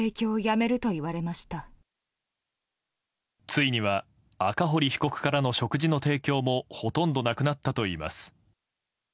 ついには赤堀被告からの食事の提供もほとんどなくなったといいます。